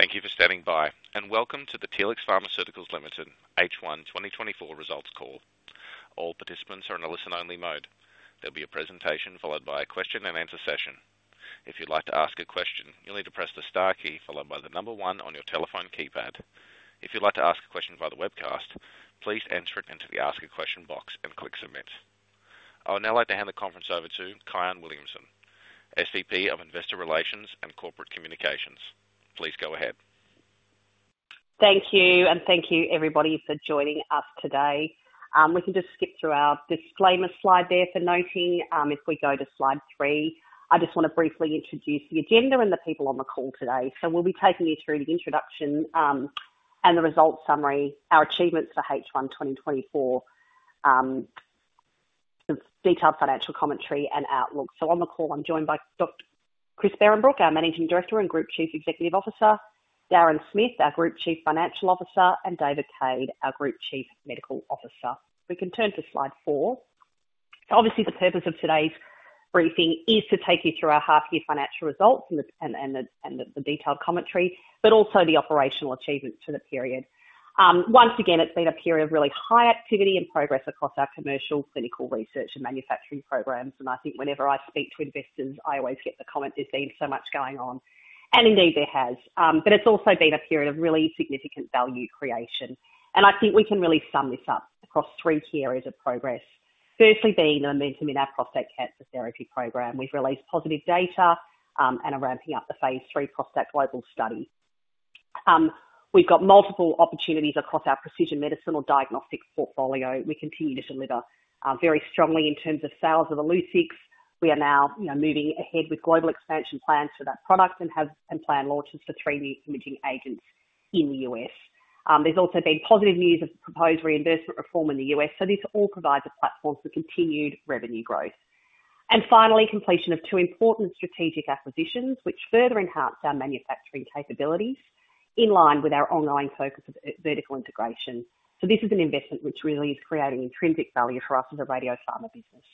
Thank you for standing by, and welcome to the Telix Pharmaceuticals Limited H1 2024 Results Call. All participants are in a listen-only mode. There'll be a presentation followed by a question-and-answer session. If you'd like to ask a question, you'll need to press the star key followed by the number one on your telephone keypad. If you'd like to ask a question via the webcast, please enter it into the Ask a Question box and click Submit. I would now like to hand the conference over to Kyahn Williamson, SVP of Investor Relations and Corporate Communications. Please go ahead. Thank you, and thank you everybody for joining us today. We can just skip through our disclaimer slide there for noting. If we go to slide three, I just want to briefly introduce the agenda and the people on the call today. So we'll be taking you through the introduction, and the results summary, our achievements for H1 2024, the detailed financial commentary and outlook. So on the call, I'm joined by Dr. Chris Behrenbruch, our Managing Director and Group Chief Executive Officer, Darren Smith, our Group Chief Financial Officer, and David Cade, our Group Chief Medical Officer. We can turn to slide four. Obviously, the purpose of today's briefing is to take you through our half-year financial results and the detailed commentary, but also the operational achievements for the period. Once again, it's been a period of really high activity and progress across our commercial, clinical research and manufacturing programs, and I think whenever I speak to investors, I always get the comment: "There's been so much going on." And indeed, there has. But it's also been a period of really significant value creation, and I think we can really sum this up across three key areas of progress. Firstly, being the momentum in our prostate cancer therapy program. We've released positive data, and are ramping up the phase three Prostact global study. We've got multiple opportunities across our precision medicine or diagnostics portfolio. We continue to deliver, very strongly in terms of sales of Illuccix. We are now, you know, moving ahead with global expansion plans for that product and plan launches for three new imaging agents in the US. There's also been positive news of the proposed reimbursement reform in the U.S., so this all provides a platform for continued revenue growth. And finally, completion of two important strategic acquisitions, which further enhance our manufacturing capabilities in line with our ongoing focus of vertical integration. So this is an investment which really is creating intrinsic value for us as a radiopharma business.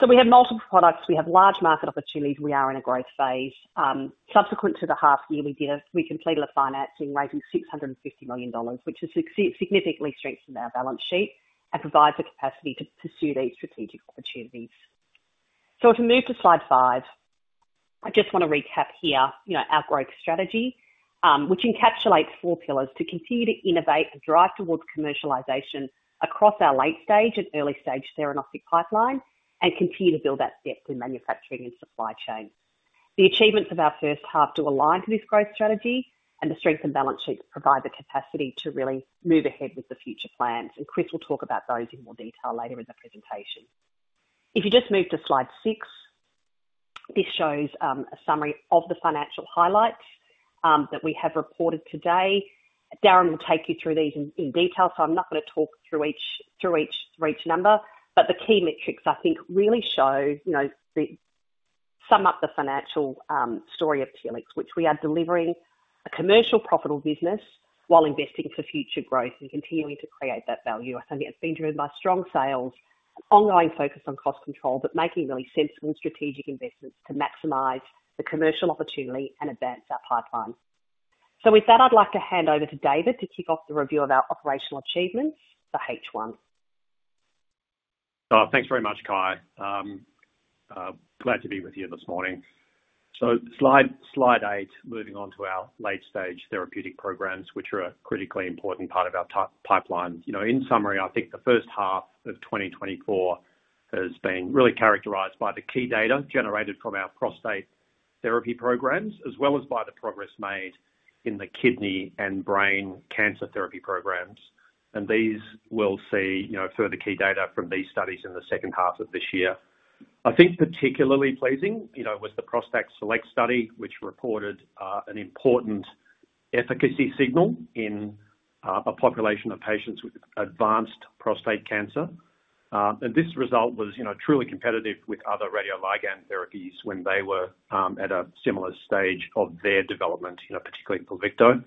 So we have multiple products, we have large market opportunities, we are in a growth phase. Subsequent to the half yearly deal, we completed a financing, raising 650 million dollars, which has significantly strengthened our balance sheet and provides the capacity to pursue these strategic opportunities. So if we move to slide five, I just want to recap here, you know, our growth strategy, which encapsulates four pillars to continue to innovate and drive towards commercialization across our late-stage and early-stage theranostic pipeline and continue to build out depth in manufacturing and supply chain. The achievements of our first half do align to this growth strategy, and the strengthened balance sheets provide the capacity to really move ahead with the future plans, and Chris will talk about those in more detail later in the presentation. If you just move to slide six, this shows a summary of the financial highlights that we have reported today. Darren will take you through these in detail, so I'm not gonna talk through each number. But the key metrics, I think, really show, you know, the... Sum up the financial story of Telix, which we are delivering a commercial, profitable business while investing for future growth and continuing to create that value. I think it's been driven by strong sales, ongoing focus on cost control, but making really sensible strategic investments to maximize the commercial opportunity and advance our pipeline. With that, I'd like to hand over to David to kick off the review of our operational achievements for H1. Thanks very much, Ky. Glad to be with you this morning. So slide eight, moving on to our late-stage therapeutic programs, which are a critically important part of our pipeline. You know, in summary, I think the first half of 2024 has been really characterized by the key data generated from our prostate therapy programs, as well as by the progress made in the kidney and brain cancer therapy programs. And these, we'll see, you know, further key data from these studies in the second half of this year. I think particularly pleasing, you know, was the Prostact SELECT study, which reported an important efficacy signal in a population of patients with advanced prostate cancer. And this result was, you know, truly competitive with other radioligand therapies when they were at a similar stage of their development, you know, particularly Pluvicto.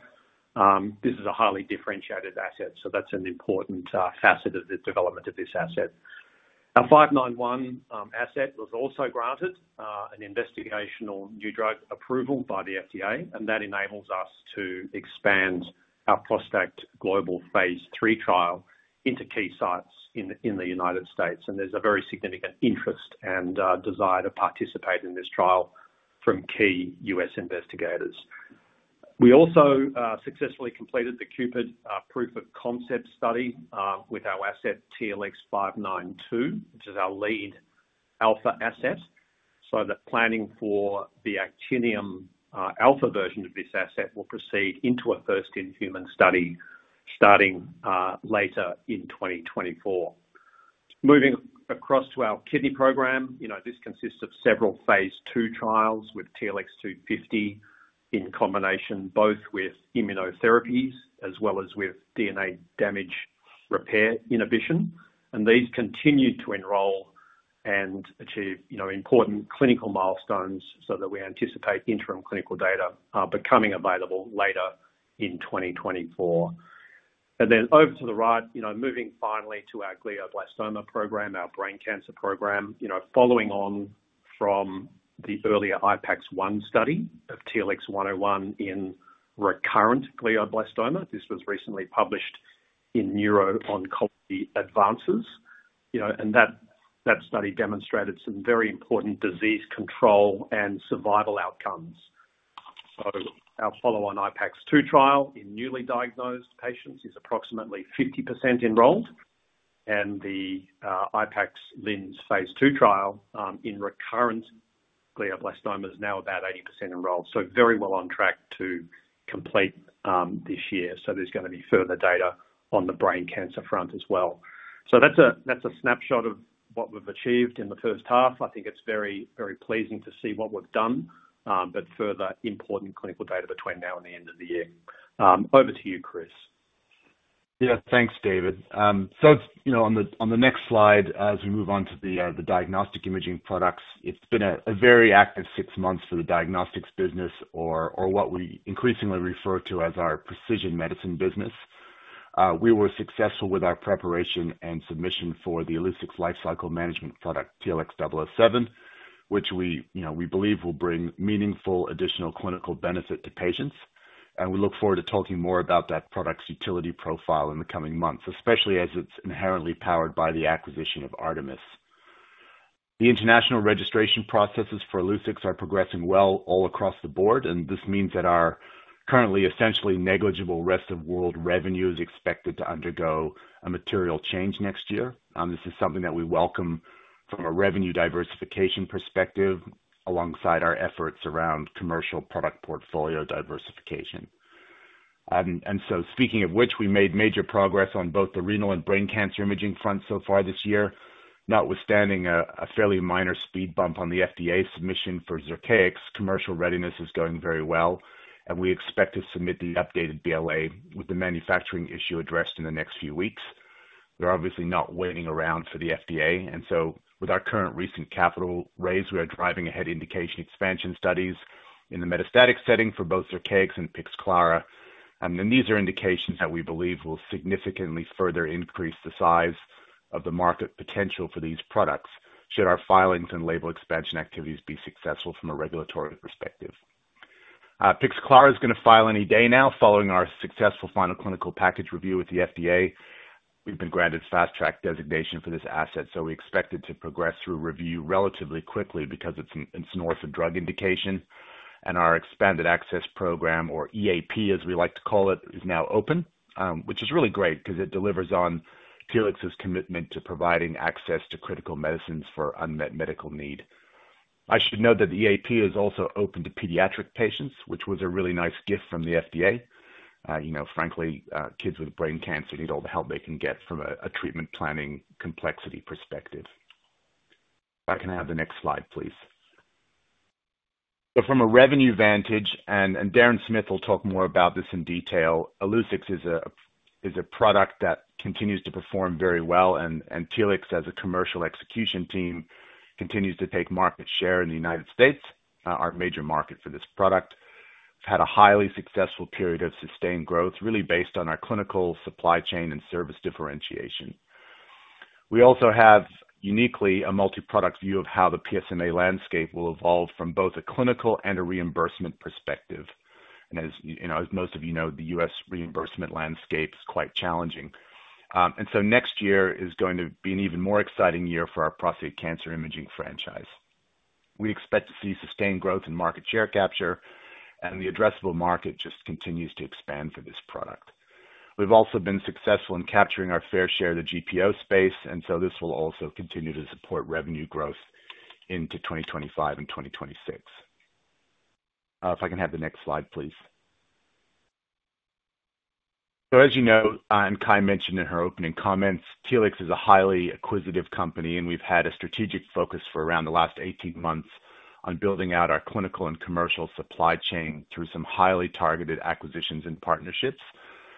This is a highly differentiated asset, so that's an important facet of the development of this asset. Our TLX591 asset was also granted an investigational new drug approval by the FDA, and that enables us to expand our Prostact global phase three trial into key sites in the United States. There's a very significant interest and desire to participate in this trial from key US investigators. We also successfully completed the CUPID proof of concept study with our asset TLX592, which is our lead alpha asset, so that planning for the actinium alpha version of this asset will proceed into a first-in-human study starting later in 2024. Moving across to our kidney program, you know, this consists of several phase two trials with TLX250 in combination, both with immunotherapies as well as with DNA damage repair inhibition, and these continued to enroll and achieve, you know, important clinical milestones so that we anticipate interim clinical data becoming available later in 2024. Then over to the right, you know, moving finally to our glioblastoma program, our brain cancer program. You know, following on from the earlier IPAX-1 study of TLX101 in recurrent glioblastoma. This was recently published in Neuro-Oncology Advances, you know, and that study demonstrated some very important disease control and survival outcomes. So our follow-on IPACS-2 trial in newly diagnosed patients is approximately 50% enrolled, and the IPACS LINS phase two trial in recurrent glioblastoma is now about 80% enrolled, so very well on track to complete this year. So there's gonna be further data on the brain cancer front as well. So that's a, that's a snapshot of what we've achieved in the first half. I think it's very, very pleasing to see what we've done, but further important clinical data between now and the end of the year. Over to you, Chris. Yeah. Thanks, David. So, you know, on the next slide, as we move on to the diagnostic imaging products, it's been a very active six months for the diagnostics business or what we increasingly refer to as our precision medicine business. We were successful with our preparation and submission for the Illuccix lifecycle management product, TLX007, which we, you know, we believe will bring meaningful additional clinical benefit to patients, and we look forward to talking more about that product's utility profile in the coming months, especially as it's inherently powered by the acquisition of ArtMS. The international registration processes for Illuccix are progressing well all across the board, and this means that our currently essentially negligible rest-of-world revenue is expected to undergo a material change next year. This is something that we welcome from a revenue diversification perspective, alongside our efforts around commercial product portfolio diversification. And so speaking of which, we made major progress on both the renal and brain cancer imaging front so far this year. Notwithstanding a fairly minor speed bump on the FDA submission for Zircaix, commercial readiness is going very well, and we expect to submit the updated BLA with the manufacturing issue addressed in the next few weeks. We're obviously not waiting around for the FDA, and so with our current recent capital raise, we are driving ahead indication expansion studies in the metastatic setting for both Zircaix and Pixclara. Then these are indications that we believe will significantly further increase the size of the market potential for these products, should our filings and label expansion activities be successful from a regulatory perspective. Pyxclara is gonna file any day now, following our successful final clinical package review with the FDA. We've been granted fast track designation for this asset, so we expect it to progress through review relatively quickly because it's an orphan drug indication, and our expanded access program, or EAP, as we like to call it, is now open. Which is really great because it delivers on Telix's commitment to providing access to critical medicines for unmet medical need. I should note that the EAP is also open to pediatric patients, which was a really nice gift from the FDA. You know, frankly, kids with brain cancer need all the help they can get from a treatment planning complexity perspective. If I can have the next slide, please. From a revenue vantage, Darren Smith will talk more about this in detail. Illuccix is a product that continues to perform very well, and Telix, as a commercial execution team, continues to take market share in the United States, our major market for this product. It's had a highly successful period of sustained growth, really based on our clinical supply chain and service differentiation. We also have, uniquely, a multi-product view of how the PSMA landscape will evolve from both a clinical and a reimbursement perspective. And as you know, as most of you know, the U.S. reimbursement landscape is quite challenging. Next year is going to be an even more exciting year for our prostate cancer imaging franchise. We expect to see sustained growth in market share capture, and the addressable market just continues to expand for this product. We've also been successful in capturing our fair share of the GPO space, and so this will also continue to support revenue growth into 2025 and 2026. If I can have the next slide, please. So as you know, and Kai mentioned in her opening comments, Telix is a highly acquisitive company, and we've had a strategic focus for around the last 18 months on building out our clinical and commercial supply chain through some highly targeted acquisitions and partnerships.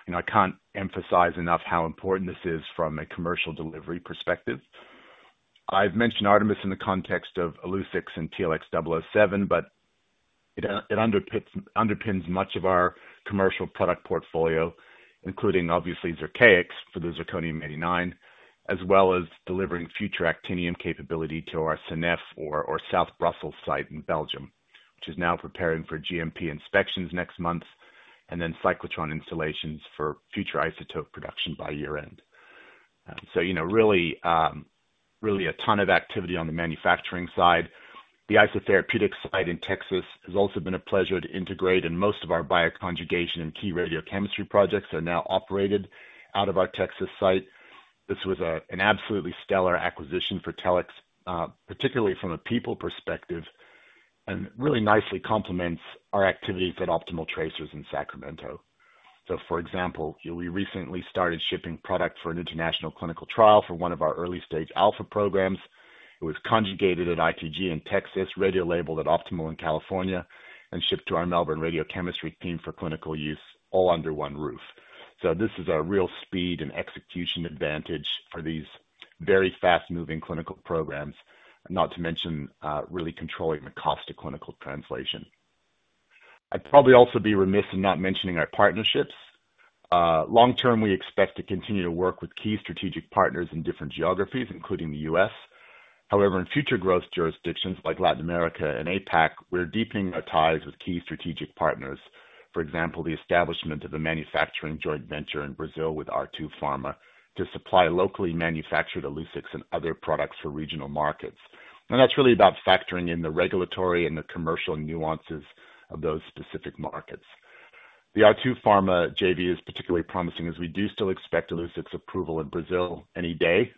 You know, I can't emphasize enough how important this is from a commercial delivery perspective. I've mentioned ArtMS in the context of Illuccix and TLX-007, but it underpins much of our commercial product portfolio, including obviously Zircaix for the zirconium-89, as well as delivering future actinium capability to our Seneffe or South Brussels site in Belgium, which is now preparing for GMP inspections next month, and then cyclotron installations for future isotope production by year-end. So, you know, really a ton of activity on the manufacturing side. The IsoTherapeutics site in Texas has also been a pleasure to integrate, and most of our bioconjugation and key radiochemistry projects are now operated out of our Texas site. This was an absolutely stellar acquisition for Telix, particularly from a people perspective, and really nicely complements our activities at Optimal Tracers in Sacramento. So, for example, we recently started shipping product for an international clinical trial for one of our early-stage alpha programs. It was conjugated at ITG in Texas, radiolabeled at Optimal in California, and shipped to our Melbourne radiochemistry team for clinical use, all under one roof. So this is a real speed and execution advantage for these very fast-moving clinical programs, not to mention really controlling the cost of clinical translation. I'd probably also be remiss in not mentioning our partnerships. Long term, we expect to continue to work with key strategic partners in different geographies, including the US. However, in future growth jurisdictions like Latin America and APAC, we're deepening our ties with key strategic partners. For example, the establishment of a manufacturing joint venture in Brazil with R2 Pharma to supply locally manufactured Illuccix and other products for regional markets. That's really about factoring in the regulatory and the commercial nuances of those specific markets. The R2 Pharma JV is particularly promising, as we do still expect Illuccix's approval in Brazil any day.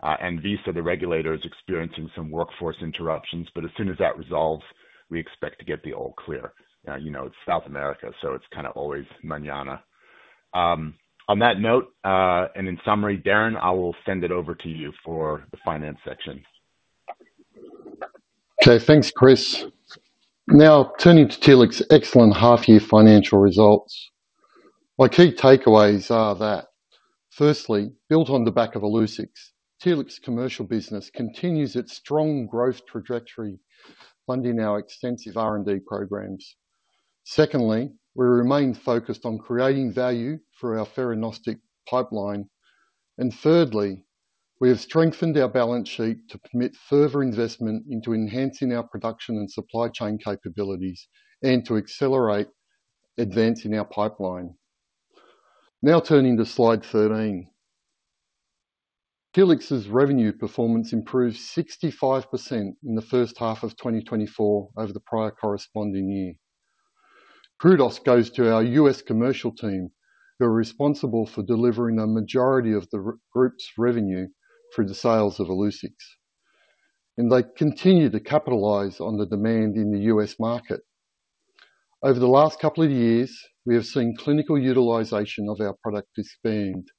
And ANVISA, the regulator, is experiencing some workforce interruptions, but as soon as that resolves, we expect to get the all clear. You know, it's South America, so it's kinda always mañana. On that note, and in summary, Darren, I will send it over to you for the finance section. Okay, thanks, Chris. Now turning to Telix's excellent half-year financial results. My key takeaways are that firstly, built on the back of Illuccix, Telix commercial business continues its strong growth trajectory, funding our extensive R&D programs. Secondly, we remain focused on creating value for our theranostic pipeline. And thirdly, we have strengthened our balance sheet to permit further investment into enhancing our production and supply chain capabilities and to accelerate advancing our pipeline. Now turning to slide 13. Telix's revenue performance improved 65% in the first half of 2024 over the prior corresponding year. Kudos goes to our U.S. commercial team, who are responsible for delivering a majority of the Group's revenue through the sales of Illuccix, and they continue to capitalize on the demand in the U.S. market. Over the last couple of years, we have seen clinical utilization of our product expand,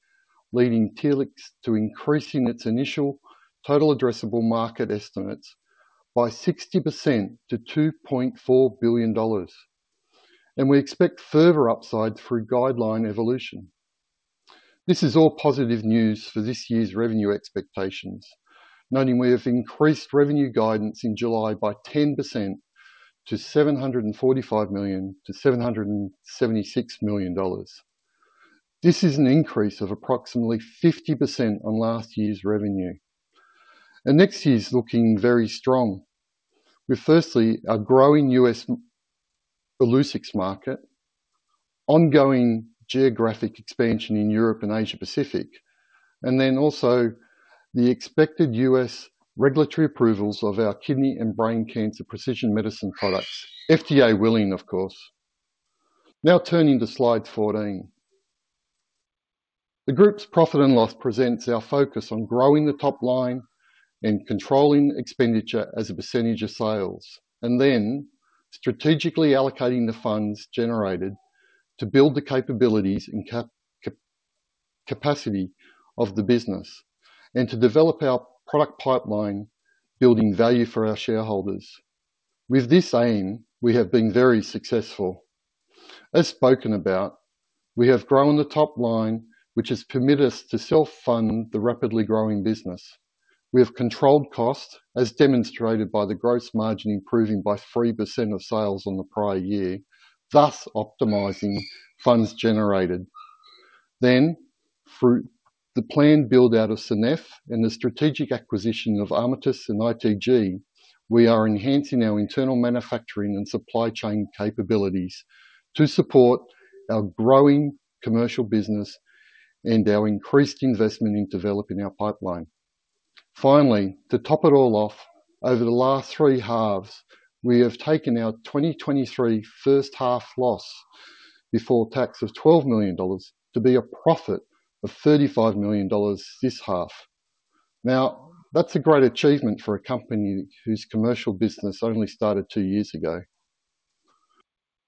leading Telix to increasing its initial total addressable market estimates by 60% to $2.4 billion, and we expect further upside through guideline evolution. This is all positive news for this year's revenue expectations, noting we have increased revenue guidance in July by 10% to 745 million-776 million dollars. This is an increase of approximately 50% on last year's revenue. And next year's looking very strong, with firstly, a growing U.S. Illuccix market, ongoing geographic expansion in Europe and Asia Pacific, and then also the expected U.S. regulatory approvals of our kidney and brain cancer precision medicine products, FDA willing, of course. Now turning to slide 14. The group's profit and loss presents our focus on growing the top line and controlling expenditure as a percentage of sales, and then strategically allocating the funds generated to build the capabilities and capacity of the business and to develop our product pipeline, building value for our shareholders. With this aim, we have been very successful. As spoken about, we have grown the top line, which has permitted us to self-fund the rapidly growing business. We have controlled costs, as demonstrated by the gross margin improving by 3% of sales on the prior year, thus optimizing funds generated. Then, through the planned build-out of Seneffe and the strategic acquisition of ArtMS and ITG, we are enhancing our internal manufacturing and supply chain capabilities to support our growing commercial business and our increased investment in developing our pipeline. Finally, to top it all off, over the last three halves, we have taken our 2023 first half loss before tax of $12 million to be a profit of $35 million this half. Now, that's a great achievement for a company whose commercial business only started two years ago.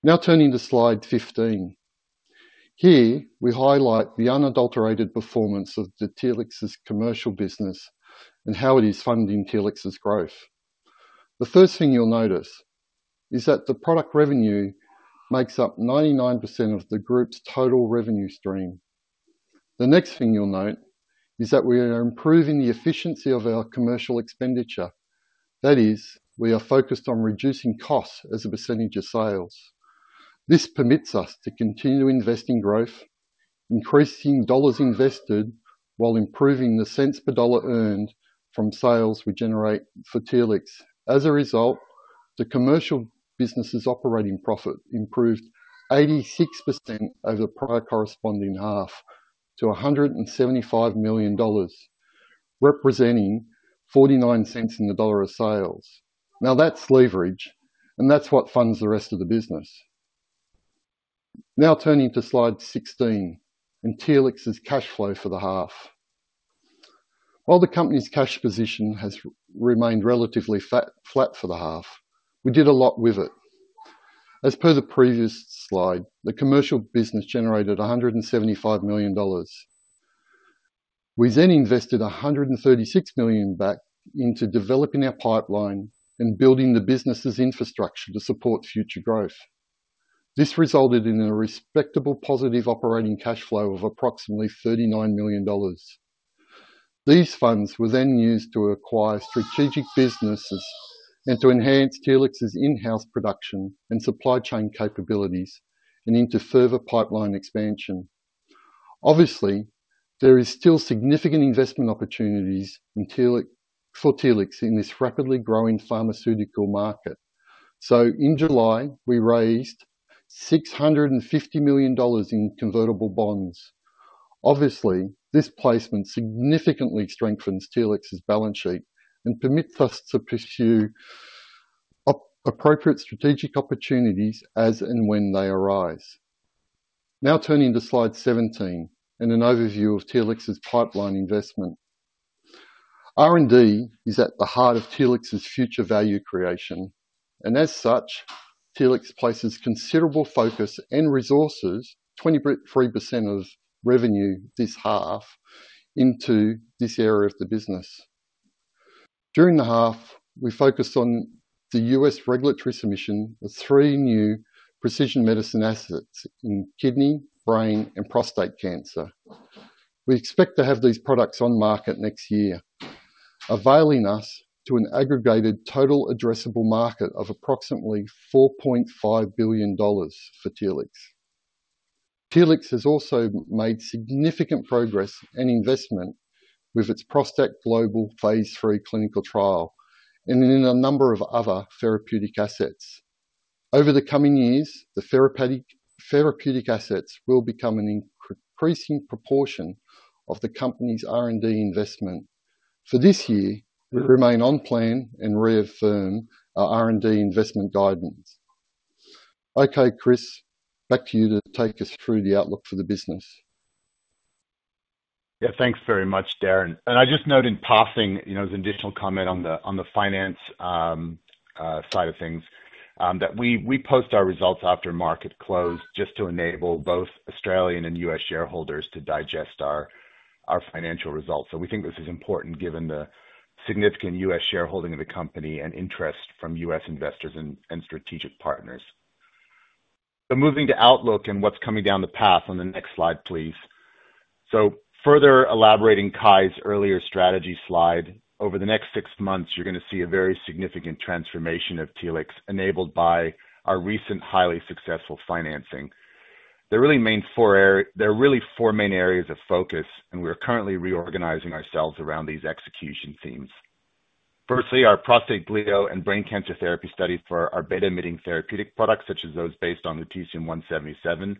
Now turning to slide 15. Here, we highlight the unadulterated performance of Telix's commercial business and how it is funding Telix's growth. The first thing you'll notice is that the product revenue makes up 99% of the group's total revenue stream. The next thing you'll note is that we are improving the efficiency of our commercial expenditure. That is, we are focused on reducing costs as a percentage of sales. This permits us to continue investing growth, increasing dollars invested while improving the cents per dollar earned from sales we generate for Telix. As a result, the commercial business's operating profit improved 86% over the prior corresponding half to 175 million dollars, representing 49 cents in the dollar of sales. Now, that's leverage, and that's what funds the rest of the business. Now turning to slide 16 and Telix's cash flow for the half. While the company's cash position has remained relatively flat for the half, we did a lot with it. As per the previous slide, the commercial business generated 175 million dollars. We then invested 136 million back into developing our pipeline and building the business's infrastructure to support future growth. This resulted in a respectable positive operating cash flow of approximately 39 million dollars. These funds were then used to acquire strategic businesses and to enhance Telix's in-house production and supply chain capabilities, and into further pipeline expansion. Obviously, there is still significant investment opportunities in Telix for Telix in this rapidly growing pharmaceutical market. So in July, we raised 650 million dollars in convertible bonds. Obviously, this placement significantly strengthens Telix's balance sheet and permits us to pursue appropriate strategic opportunities as and when they arise. Now turning to slide 17 and an overview of Telix's pipeline investment. R&D is at the heart of Telix's future value creation, and as such, Telix places considerable focus and resources, 23% of revenue this half, into this area of the business. During the half, we focused on the U.S. regulatory submission of three new precision medicine assets in kidney, brain, and prostate cancer. We expect to have these products on market next year, availing us to an aggregated total addressable market of approximately 4.5 billion dollars for Telix. Telix has also made significant progress and investment with its Prostact Global Phase III clinical trial and in a number of other therapeutic assets. Over the coming years, the therapeutic assets will become an increasing proportion of the company's R&D investment. For this year, we remain on plan and reaffirm our R&D investment guidance. Okay, Chris, back to you to take us through the outlook for the business. Yeah, thanks very much, Darren. I just note in passing, you know, as an additional comment on the finance side of things, that we post our results after market close just to enable both Australian and U.S. shareholders to digest our financial results. We think this is important given the significant U.S. shareholding of the company and interest from U.S. investors and strategic partners. Moving to outlook and what's coming down the path on the next slide, please. Further elaborating Kyan's earlier strategy slide: over the next six months, you're gonna see a very significant transformation of Telix, enabled by our recent highly successful financing. There are really four main areas of focus, and we are currently reorganizing ourselves around these execution themes. Firstly, our prostate, glioma, and brain cancer therapy studies for our beta-emitting therapeutic products, such as those based on Lutetium-177,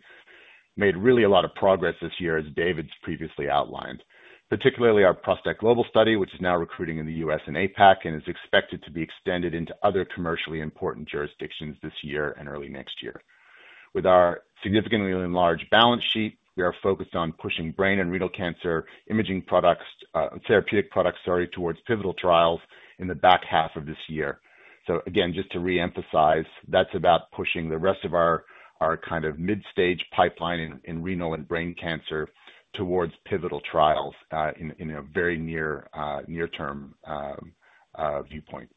made really a lot of progress this year, as David's previously outlined. Particularly our Prostact Global study, which is now recruiting in the US and APAC, and is expected to be extended into other commercially important jurisdictions this year and early next year. With our significantly enlarged balance sheet, we are focused on pushing brain and renal cancer imaging products, therapeutic products, sorry, towards pivotal trials in the back half of this year. So again, just to reemphasize, that's about pushing the rest of our kind of mid-stage pipeline in renal and brain cancer towards pivotal trials in a very near-term viewpoint.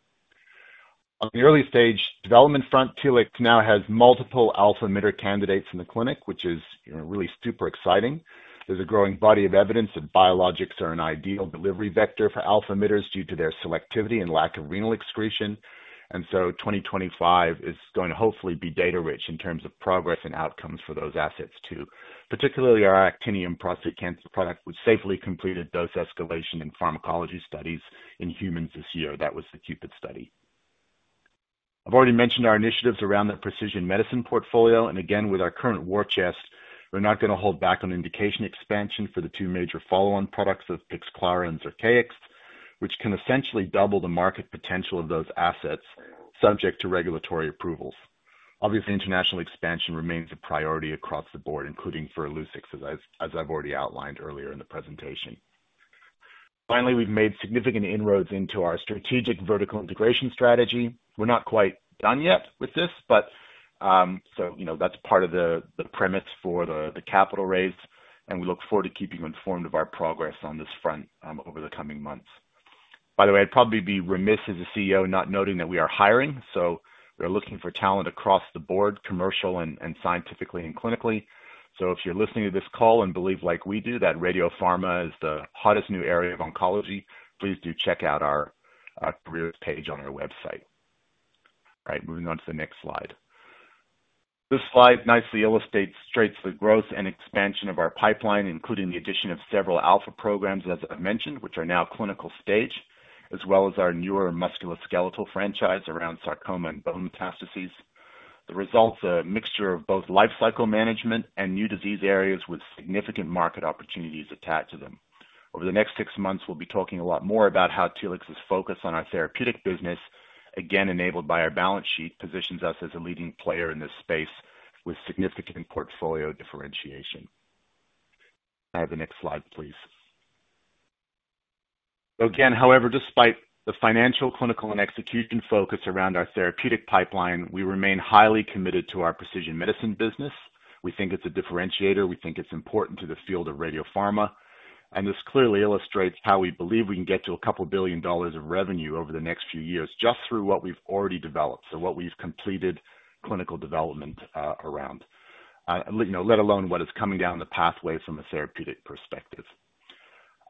On the early stage development front, Telix now has multiple alpha emitter candidates in the clinic, which is, you know, really super exciting. There's a growing body of evidence that biologics are an ideal delivery vector for alpha emitters due to their selectivity and lack of renal excretion. And so twenty twenty-five is going to hopefully be data rich in terms of progress and outcomes for those assets, too. Particularly our actinium prostate cancer product, which safely completed dose escalation and pharmacology studies in humans this year. That was the CUPID study. I've already mentioned our initiatives around the precision medicine portfolio, and again, with our current war chest, we're not gonna hold back on indication expansion for the two major follow-on products of Pixclara and Zircaix, which can essentially double the market potential of those assets, subject to regulatory approvals. Obviously, international expansion remains a priority across the board, including for Illuccix, as I've already outlined earlier in the presentation. Finally, we've made significant inroads into our strategic vertical integration strategy. We're not quite done yet with this, but so, you know, that's part of the premise for the capital raise, and we look forward to keeping you informed of our progress on this front over the coming months. By the way, I'd probably be remiss as a CEO, not noting that we are hiring, so we're looking for talent across the board, commercial and scientifically and clinically. So if you're listening to this call and believe like we do, that radiopharma is the hottest new area of oncology, please do check out our careers page on our website. All right, moving on to the next slide. This slide nicely illustrates the growth and expansion of our pipeline, including the addition of several alpha programs, as I mentioned, which are now clinical stage, as well as our newer musculoskeletal franchise around sarcoma and bone metastases. The results are a mixture of both lifecycle management and new disease areas with significant market opportunities attached to them. Over the next six months, we'll be talking a lot more about how Telix's focus on our therapeutic business, again, enabled by our balance sheet, positions us as a leading player in this space with significant portfolio differentiation. The next slide, please. So again, however, despite the financial, clinical, and execution focus around our therapeutic pipeline, we remain highly committed to our precision medicine business. We think it's a differentiator. We think it's important to the field of radiopharma, and this clearly illustrates how we believe we can get to $2 billion of revenue over the next few years, just through what we've already developed, so what we've completed clinical development around, you know, let alone what is coming down the pathway from a therapeutic perspective.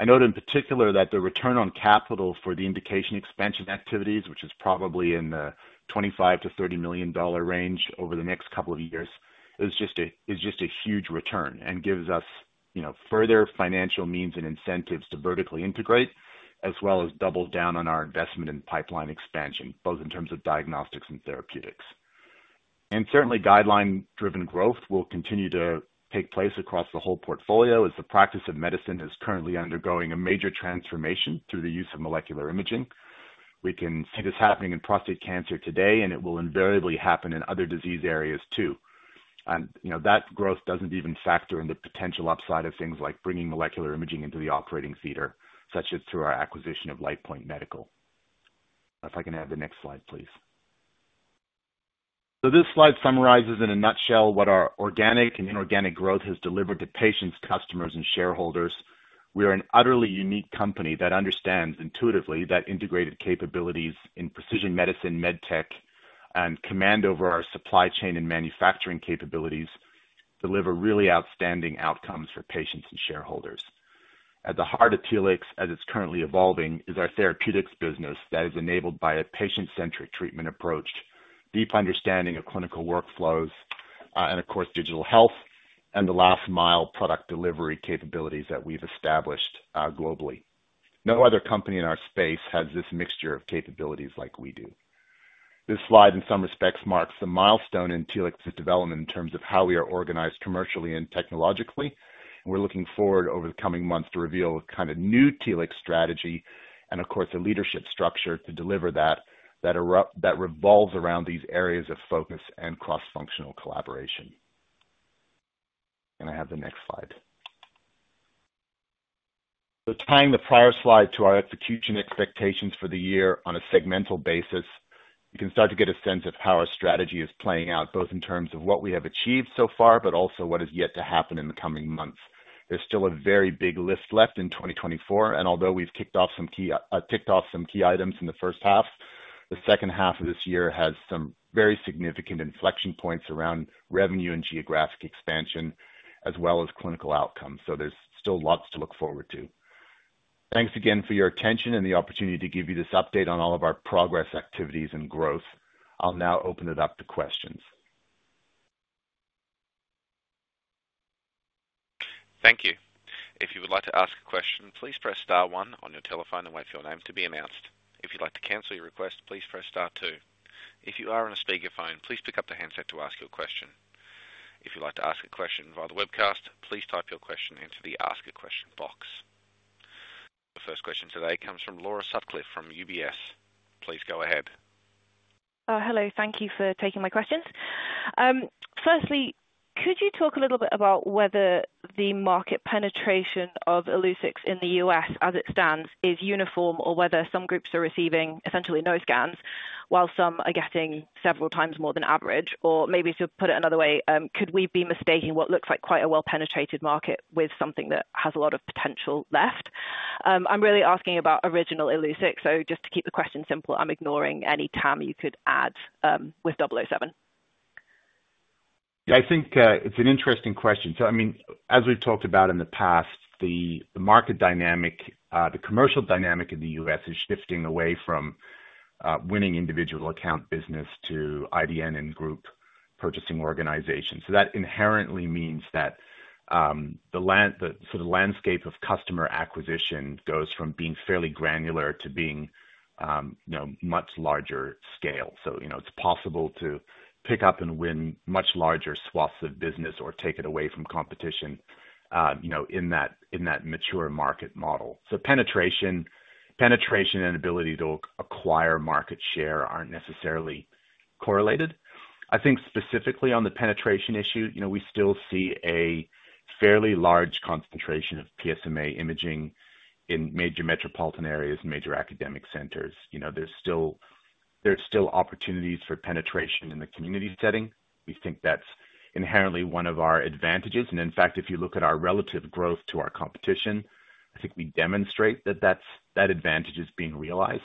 I note in particular that the return on capital for the indication expansion activities, which is probably in the $25-30 million range over the next couple of years, is just a huge return and gives us, you know, further financial means and incentives to vertically integrate, as well as double down on our investment in pipeline expansion, both in terms of diagnostics and therapeutics. Certainly, guideline-driven growth will continue to take place across the whole portfolio, as the practice of medicine is currently undergoing a major transformation through the use of molecular imaging. We can see this happening in prostate cancer today, and it will invariably happen in other disease areas, too. You know, that growth doesn't even factor in the potential upside of things like bringing molecular imaging into the operating theater, such as through our acquisition of LightPoint Medical. If I can have the next slide, please. This slide summarizes in a nutshell what our organic and inorganic growth has delivered to patients, customers, and shareholders. We are an utterly unique company that understands intuitively that integrated capabilities in precision medicine, med tech, and command over our supply chain and manufacturing capabilities, deliver really outstanding outcomes for patients and shareholders. At the heart of Telix, as it's currently evolving, is our therapeutics business that is enabled by a patient-centric treatment approach, deep understanding of clinical workflows, and of course, digital health and the last mile product delivery capabilities that we've established globally. No other company in our space has this mixture of capabilities like we do. This slide, in some respects, marks the milestone in Telix's development in terms of how we are organized commercially and technologically. We're looking forward over the coming months to reveal a kind of new Telix strategy and of course, a leadership structure to deliver that, that revolves around these areas of focus and cross-functional collaboration. Can I have the next slide? So tying the prior slide to our execution expectations for the year on a segmental basis, you can start to get a sense of how our strategy is playing out, both in terms of what we have achieved so far, but also what is yet to happen in the coming months. There's still a very big lift left in 2024, and although we've kicked off some key items in the first half, the second half of this year has some very significant inflection points around revenue and geographic expansion, as well as clinical outcomes, so there's still lots to look forward to. Thanks again for your attention and the opportunity to give you this update on all of our progress, activities, and growth. I'll now open it up to questions. Thank you. If you would like to ask a question, please press star one on your telephone and wait for your name to be announced. If you'd like to cancel your request, please press star two. If you are on a speakerphone, please pick up the handset to ask your question. If you'd like to ask a question via the webcast, please type your question into the Ask a Question box. The first question today comes from Laura Sutcliffe from UBS. Please go ahead. Hello, thank you for taking my questions. Firstly, could you talk a little bit about whether the market penetration of Illuccix in the U.S. as it stands is uniform, or whether some groups are receiving essentially no scans, while some are getting several times more than average? Or maybe to put it another way, could we be mistaking what looks like quite a well-penetrated market with something that has a lot of potential left? I'm really asking about original Illuccix, so just to keep the question simple, I'm ignoring any TAM you could add with zero zero seven. I think it's an interesting question. So I mean, as we've talked about in the past, the market dynamic, the commercial dynamic in the U.S. is shifting away from winning individual account business to IDN and group purchasing organizations. So that inherently means that the landscape of customer acquisition goes from being fairly granular to being, you know, much larger scale. So, you know, it's possible to pick up and win much larger swaths of business or take it away from competition, you know, in that mature market model. So penetration and ability to acquire market share aren't necessarily correlated. I think specifically on the penetration issue, you know, we still see a fairly large concentration of PSMA imaging in major metropolitan areas and major academic centers. You know, there's still opportunities for penetration in the community setting. We think that's inherently one of our advantages. And in fact, if you look at our relative growth to our competition, I think we demonstrate that that's that advantage is being realized.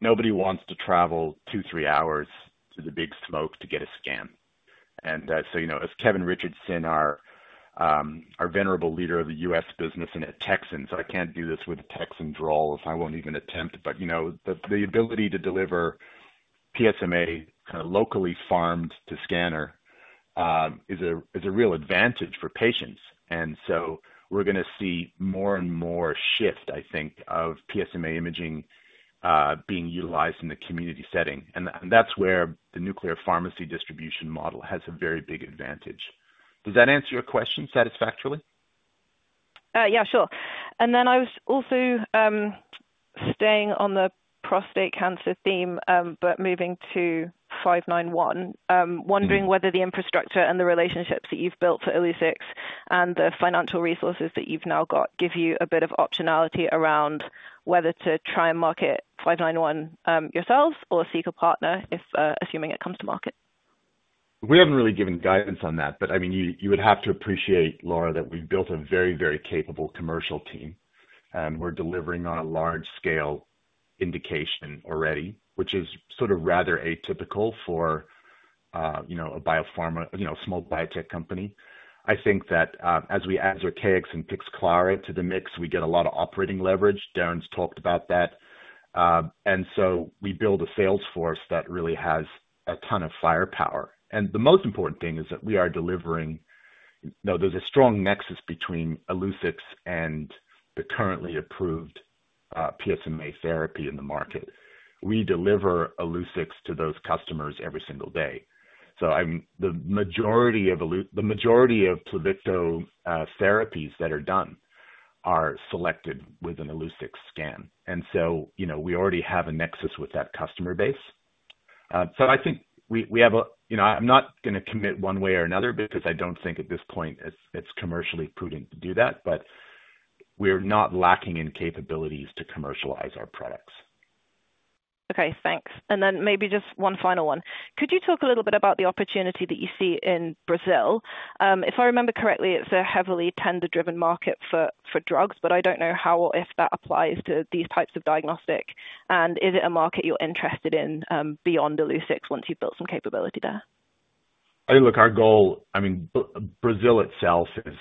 Nobody wants to travel two, three hours to the big smoke to get a scan. And so, you know, as Kevin Richardson, our venerable leader of the U.S. business and a Texan, so I can't do this with a Texan drawl, so I won't even attempt. But, you know, the ability to deliver PSMA kind of locally farmed to scanner is a real advantage for patients. And so we're gonna see more and more shift, I think, of PSMA imaging being utilized in the community setting. And, that's where the nuclear pharmacy distribution model has a very big advantage. Does that answer your question satisfactorily? Yeah, sure, and then I was also staying on the prostate cancer theme, but moving to TLX591. Mm-hmm. Wondering whether the infrastructure and the relationships that you've built for Illuccix and the financial resources that you've now got give you a bit of optionality around whether to try and market five nine one yourselves or seek a partner if assuming it comes to market? We haven't really given guidance on that, but I mean, you would have to appreciate, Laura, that we've built a very, very capable commercial team, and we're delivering on a large scale indication already, which is sort of rather atypical for, you know, a biopharma, you know, a small biotech company. I think that, as we add Zircaix and Pixclara to the mix, we get a lot of operating leverage. Darren's talked about that. And so we build a sales force that really has a ton of firepower. And the most important thing is that we are delivering. Now, there's a strong nexus between Illuccix and the currently approved, PSMA therapy in the market. We deliver Illuccix to those customers every single day. So, the majority of Pluvicto therapies that are done are selected with an Illuccix scan. And so, you know, we already have a nexus with that customer base. So I think we have a... You know, I'm not going to commit one way or another because I don't think at this point it's commercially prudent to do that, but we're not lacking in capabilities to commercialize our products. Okay, thanks. And then maybe just one final one. Could you talk a little bit about the opportunity that you see in Brazil? If I remember correctly, it's a heavily tender-driven market for drugs, but I don't know how or if that applies to these types of diagnostics. And is it a market you're interested in, beyond Illuccix once you've built some capability there? I think, look, our goal. I mean, Brazil itself is,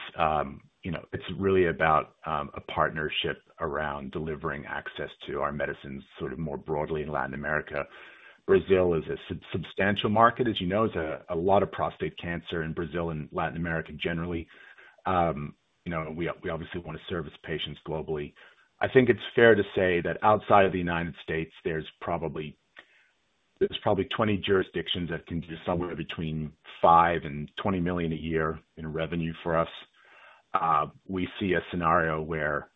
you know, it's really about a partnership around delivering access to our medicines sort of more broadly in Latin America. Brazil is a substantial market. As you know, there's a lot of prostate cancer in Brazil and Latin America generally. You know, we obviously want to service patients globally. I think it's fair to say that outside of the United States, there's probably twenty jurisdictions that can do somewhere between five-20 million a year in revenue for us. We see a scenario where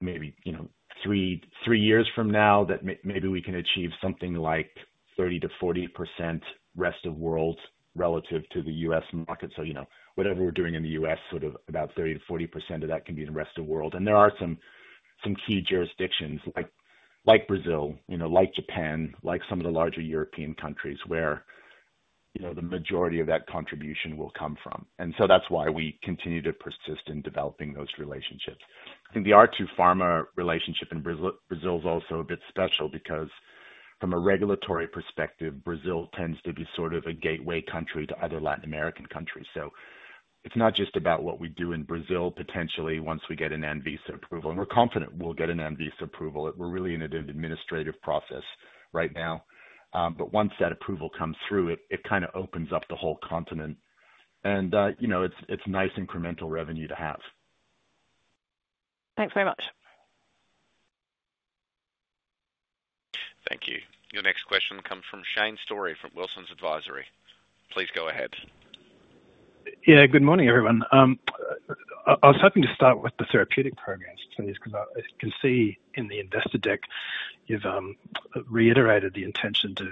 maybe, you know, three years from now, that maybe we can achieve something like 30%-40% rest of world relative to the U.S. market. You know, whatever we're doing in the U.S., sort of about 30%-40% of that can be in the rest of the world. There are some key jurisdictions like Brazil, you know, like Japan, like some of the larger European countries, where, you know, the majority of that contribution will come from. That's why we continue to persist in developing those relationships. I think the R2 Pharma relationship in Brazil is also a bit special because from a regulatory perspective, Brazil tends to be sort of a gateway country to other Latin American countries. It's not just about what we do in Brazil, potentially, once we get an ANVISA approval, and we're confident we'll get an ANVISA approval. We're really in an administrative process right now. But once that approval comes through, it kind of opens up the whole continent. And you know, it's nice incremental revenue to have. Thanks very much. Thank you. Your next question comes from Shane Storey, from Wilsons Advisory. Please go ahead. Yeah. Good morning, everyone. I was hoping to start with the therapeutic programs, please, because I can see in the investor deck, you've reiterated the intention to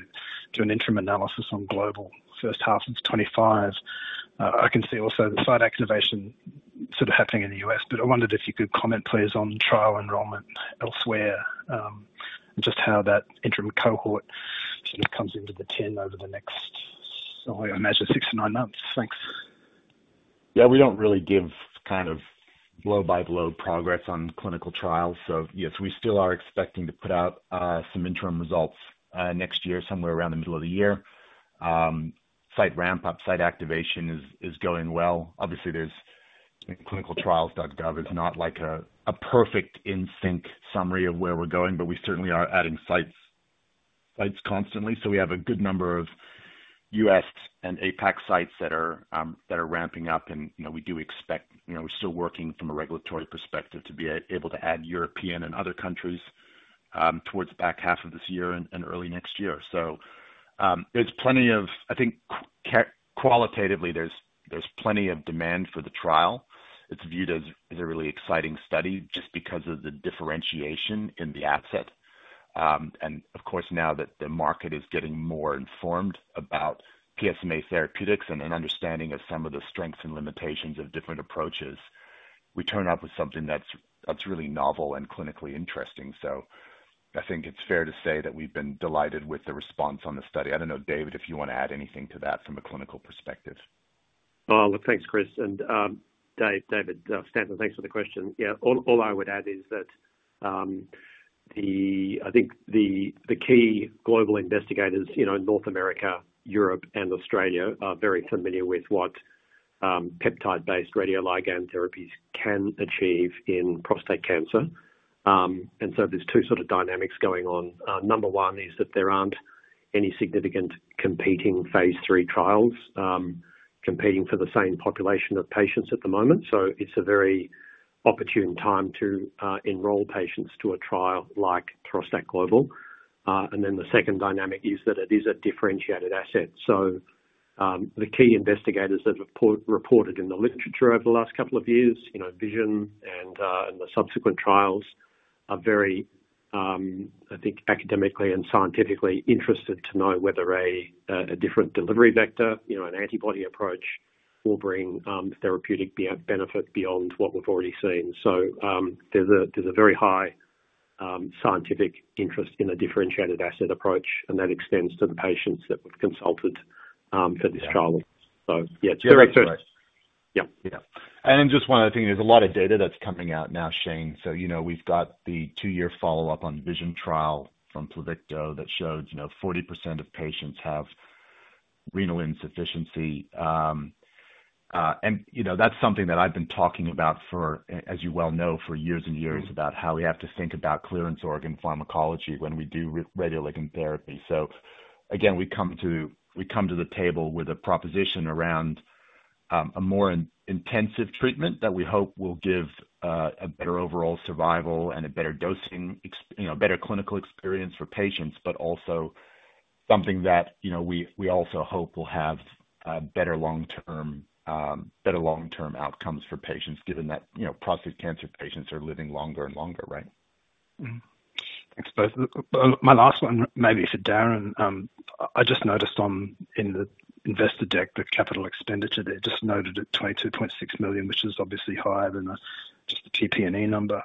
do an interim analysis on global first half of 2025. I can see also the site activation sort of happening in the US, but I wondered if you could comment, please, on trial enrollment elsewhere, and just how that interim cohort sort of comes into the timeline over the next, I imagine, six to nine months. Thanks. Yeah, we don't really give kind of blow-by-blow progress on clinical trials. So yes, we still are expecting to put out some interim results next year, somewhere around the middle of the year. Site ramp-up, site activation is going well. Obviously, there's ClinicalTrials.gov is not like a perfect in-sync summary of where we're going, but we certainly are adding sites constantly. So we have a good number of US and APAC sites that are ramping up and, you know, we do expect, you know, we're still working from a regulatory perspective to be able to add European and other countries towards the back half of this year and early next year. So there's plenty of- I think qualitatively, there's plenty of demand for the trial. It's viewed as a really exciting study just because of the differentiation in the asset. And of course, now that the market is getting more informed about PSMA therapeutics and an understanding of some of the strengths and limitations of different approaches, we turn up with something that's really novel and clinically interesting. So I think it's fair to say that we've been delighted with the response on the study. I don't know, David, if you want to add anything to that from a clinical perspective. Oh, look, thanks, Chris and, Dave, David Cade, thanks for the question. Yeah. All I would add is that I think the key global investigators, you know, in North America, Europe and Australia, are very familiar with what peptide-based radioligand therapies can achieve in prostate cancer. And so there's two sort of dynamics going on. Number one is that there aren't any significant competing phase III trials competing for the same population of patients at the moment. So it's a very opportune time to enroll patients to a trial like Xertstat Global. And then the second dynamic is that it is a differentiated asset. So, the key investigators that have reported in the literature over the last couple of years, you know, VISION and the subsequent trials are very, I think, academically and scientifically interested to know whether a different delivery vector, you know, an antibody approach, will bring therapeutic benefit beyond what we've already seen. So, there's a very high scientific interest in a differentiated asset approach, and that extends to the patients that we've consulted for this trial. So yeah, it's the right place.... Yep. Yeah. And then just one other thing, there's a lot of data that's coming out now, Shane. So, you know, we've got the two-year follow-up on VISION trial from Pluvicto that shows, you know, 40% of patients have renal insufficiency. And, you know, that's something that I've been talking about for, as you well know, for years and years, about how we have to think about clearance organ pharmacology when we do radioligand therapy. So again, we come to the table with a proposition around a more intensive treatment that we hope will give a better overall survival and a better dosing, you know, a better clinical experience for patients, but also something that, you know, we also hope will have better long-term outcomes for patients, given that, you know, prostate cancer patients are living longer and longer, right? Mm-hmm. Thanks both. My last one, maybe for Darren. I just noticed on, in the investor deck, the capital expenditure there, just noted at 22.6 million, which is obviously higher than just the PP&E number,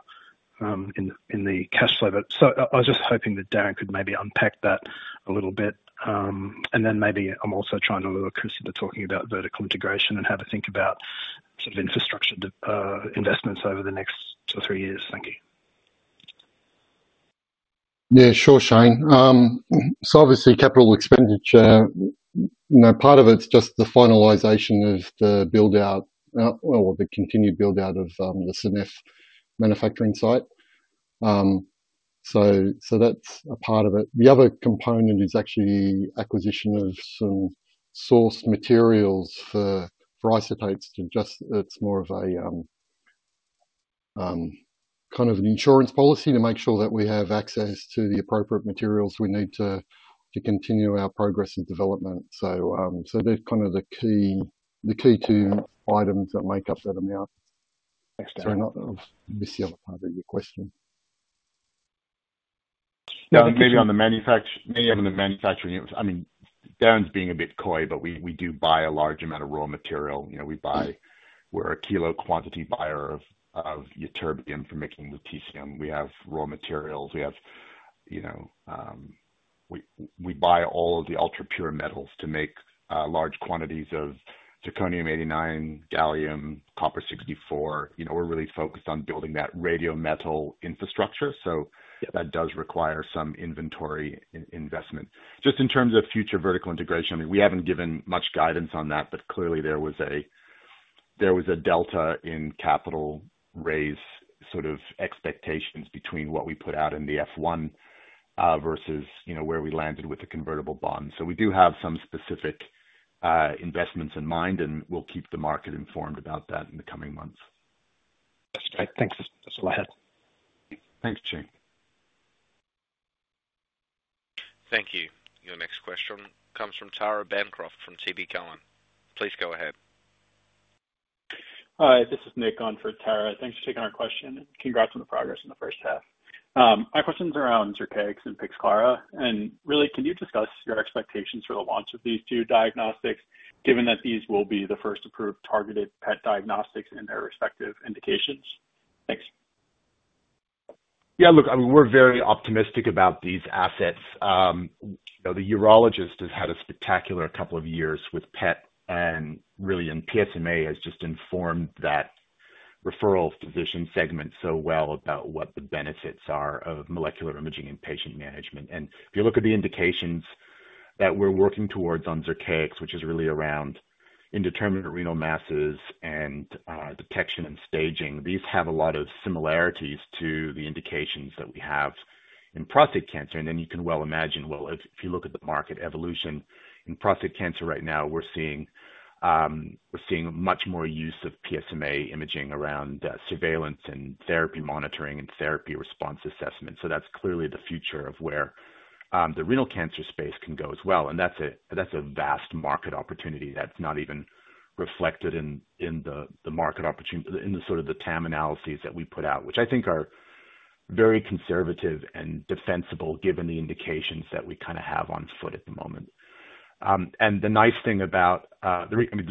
in the cash flow. But I was just hoping that Darren could maybe unpack that a little bit. And then maybe I'm also trying to lure Chris to talking about vertical integration and have a think about sort of infrastructure, investments over the next two or three years. Thank you. Yeah, sure, Shane. So obviously capital expenditure, you know, part of it's just the finalization of the build-out, or the continued build-out of the Seneffe manufacturing site. So that's a part of it. The other component is actually acquisition of some source materials for isotopes to just... It's more of a kind of an insurance policy to make sure that we have access to the appropriate materials we need to continue our progress and development. So they're kind of the key two items that make up that amount. Thanks, Darren. Sorry, I missed the other part of your question. Yeah, maybe on the manufacturing, it was, I mean, Darren's being a bit coy, but we do buy a large amount of raw material. You know, we buy- Mm. We're a kilo quantity buyer of ytterbium for mixing with TCM. We have raw materials. We have, you know, we buy all of the ultrapure metals to make large quantities of zirconium-89, gallium, copper-64. You know, we're really focused on building that radiometal infrastructure. So- Yeah. That does require some inventory investment. Just in terms of future vertical integration, I mean, we haven't given much guidance on that, but clearly there was a delta in capital raise, sort of expectations between what we put out in the F one, versus, you know, where we landed with the convertible bonds. So we do have some specific investments in mind, and we'll keep the market informed about that in the coming months. That's great. Thanks, so go ahead. Thanks, Shane. Thank you. Your next question comes from Tara Bancroft, from TD Cowen. Please go ahead. Hi, this is Nick on for Tara. Thanks for taking our question, and congrats on the progress in the first half. My question's around Zircaix and Pixclara, and really, can you discuss your expectations for the launch of these two diagnostics, given that these will be the first approved targeted PET diagnostics in their respective indications? Thanks. Yeah, look, I mean, we're very optimistic about these assets. You know, the urologist has had a spectacular couple of years with PET, and really, and PSMA has just informed that referral physician segment so well about what the benefits are of molecular imaging and patient management. And if you look at the indications that we're working towards on Zircaix, which is really around indeterminate renal masses and, detection and staging, these have a lot of similarities to the indications that we have in prostate cancer. And then you can well imagine, well, if you look at the market evolution in prostate cancer right now, we're seeing much more use of PSMA imaging around, surveillance and therapy monitoring and therapy response assessment. So that's clearly the future of where, the renal cancer space can go as well. And that's a vast market opportunity that's not even reflected in the market opportunity in the sort of the TAM analyses that we put out, which I think are very conservative and defensible, given the indications that we kind of have on foot at the moment. I mean, the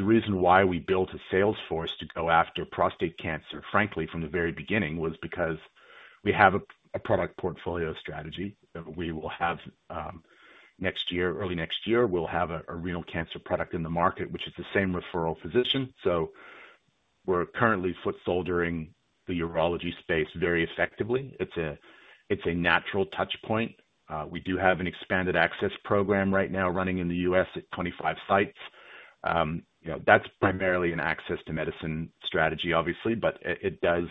reason why we built a sales force to go after prostate cancer, frankly, from the very beginning, was because we have a product portfolio strategy that we will have next year. Early next year, we'll have a renal cancer product in the market, which is the same referral physician. So we're currently foot soldiering the urology space very effectively. It's a natural touch point. We do have an expanded access program right now running in the U.S. at 25 sites. You know, that's primarily an access to medicine strategy, obviously, but it does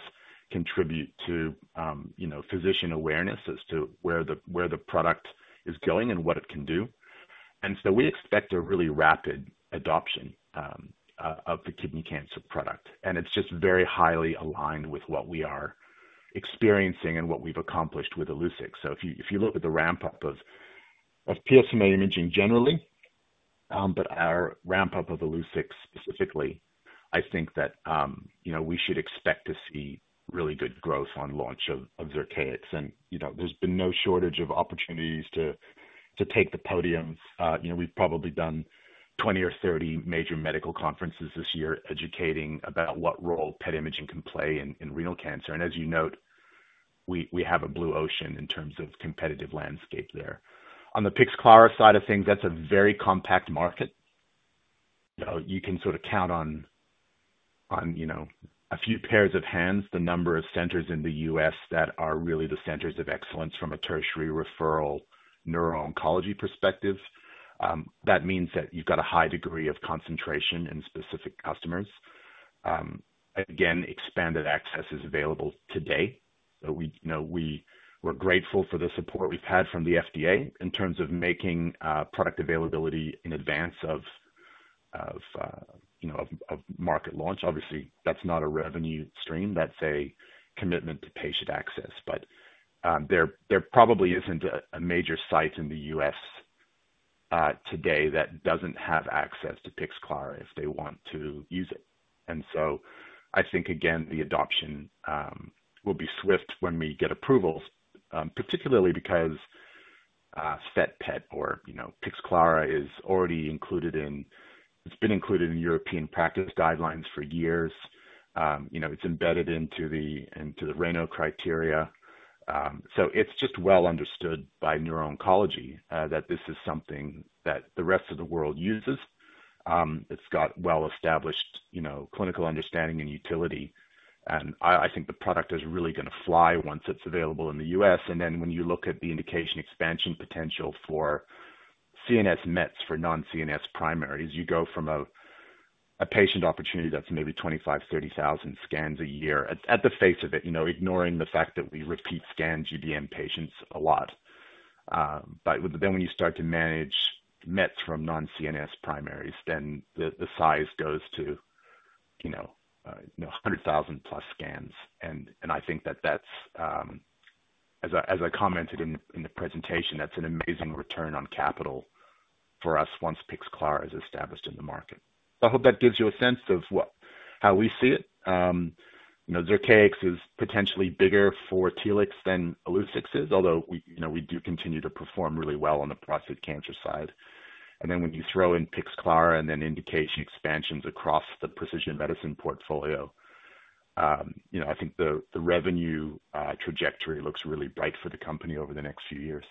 contribute to, you know, physician awareness as to where the product is going and what it can do. And so we expect a really rapid adoption of the kidney cancer product, and it's just very highly aligned with what we are experiencing and what we've accomplished with Illuccix. So if you look at the ramp-up of PSMA imaging generally, but our ramp-up of Illuccix specifically, I think that, you know, we should expect to see really good growth on launch of Zircaix. And, you know, there's been no shortage of opportunities to take the podium. You know, we've probably done 20 or 30 major medical conferences this year educating about what role PET imaging can play in renal cancer. We have a blue ocean in terms of competitive landscape there. On the Pixclara side of things, that's a very compact market. You can sort of count on you know a few pairs of hands, the number of centers in the U.S. that are really the centers of excellence from a tertiary referral neuro-oncology perspective. That means that you've got a high degree of concentration in specific customers. Again, expanded access is available today. So we you know we're grateful for the support we've had from the FDA in terms of making product availability in advance of you know of market launch. Obviously, that's not a revenue stream, that's a commitment to patient access, but there probably isn't a major site in the U.S. today that doesn't have access to Pixclara if they want to use it. And so I think, again, the adoption will be swift when we get approvals, particularly because FET-PET or, you know, Pixclara is already included in... It's been included in European practice guidelines for years. You know, it's embedded into the RANO criteria. So it's just well understood by neuro-oncology that this is something that the rest of the world uses. It's got well-established, you know, clinical understanding and utility, and I think the product is really gonna fly once it's available in the U.S. Then when you look at the indication expansion potential for CNS mets for non-CNS primaries, you go from a patient opportunity that's maybe 25-30 thousand scans a year at the face of it, you know, ignoring the fact that we repeat scans GBM patients a lot. But then when you start to manage mets from non-CNS primaries, then the size goes to, you know, 100,000-plus scans. And I think that that's, as I commented in the presentation, that's an amazing return on capital for us once Pixclara is established in the market. I hope that gives you a sense of how we see it. You know, Zircaix is potentially bigger for Telix than Illuccix is, although we, you know, we do continue to perform really well on the prostate cancer side. And then when you throw in Pixclara and then indication expansions across the precision medicine portfolio, you know, I think the revenue trajectory looks really bright for the company over the next few years.